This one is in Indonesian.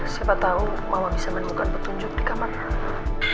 siapa tau mama bisa menemukan petunjuk di kamar lama mama